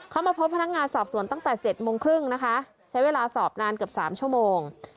เขามาพบพนักงานสอบสวนตั้งแต่๗โมงครึ่งนะคะใช้เวลาสอบนานเกือบ๓ชั่วโมง